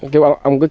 kêu ông cứ trồng